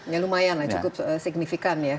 ya lumayanlah cukup signifikan ya